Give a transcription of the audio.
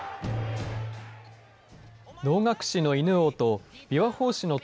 能楽師の犬王と、琵琶法師の友